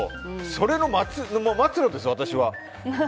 その末路ですよ、私は。